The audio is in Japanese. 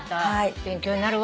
勉強になるわ。